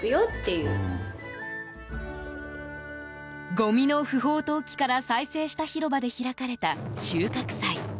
ごみの不法投棄から再生した広場で開かれた収穫祭。